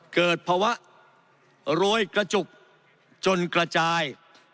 เกิดภาวะโรยกระจุกจนกระจาย